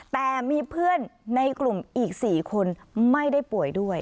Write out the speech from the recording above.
แต่มีเพื่อนในกลุ่มอีก๔คนไม่ได้ป่วยด้วย